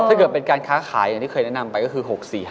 ถ้าเกิดเป็นการค้าขายอย่างที่เคยแนะนำไปก็คือ๖๔๕